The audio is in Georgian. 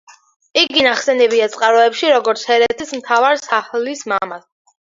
იგი ნახსენებია წყაროებში, როგორც ჰერეთის მთავარ საჰლის მამა.